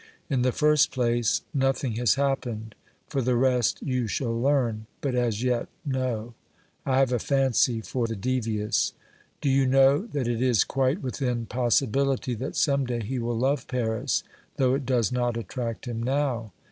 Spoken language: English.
In the first place, nothing has happened ; for the rest you shall learn, but as yet no : I have a fancy for the devious. Do you know that it is quite within possibility that some day he will love Paris though it does not attract him now